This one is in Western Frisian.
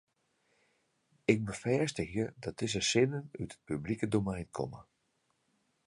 Ik befêstigje dat dizze sinnen út it publike domein komme.